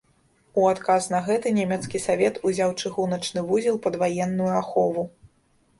У адказ на гэта нямецкі савет узяў чыгуначны вузел пад ваенную ахову.